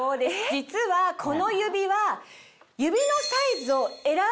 実はこの指輪。